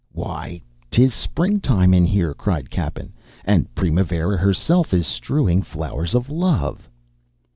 "Why, 'tis springtime in here," cried Cappen, "and Primavera herself is strewing flowers of love."